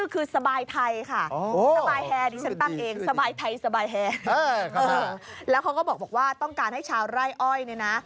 เขาก็บอกว่าต้องการให้ชาวไร่อ้อยเนี่ยนะ